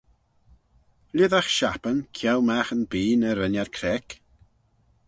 Lhisagh shappyn ceau magh yn bee nagh ren ad creck?